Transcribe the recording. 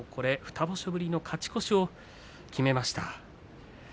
２場所ぶりの勝ち越しを決めました。